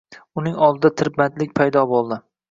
Uning oldida "tirbandlik" paydo bo'ldi